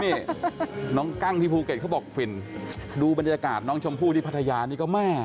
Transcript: นี่น้องกั้งที่ภูเก็ตเขาบอกฟินดูบรรยากาศน้องชมพู่ที่พัทยานี่ก็แม่